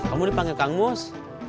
kamu dipanggil kang mus